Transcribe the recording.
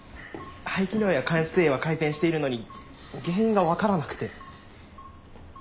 肺機能や間質影は改善しているのに原因がわからなくて。